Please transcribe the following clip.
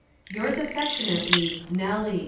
"Yours affectionately, "NELLY."